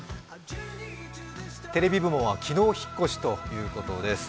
テレビ部門は昨日、引っ越しということです。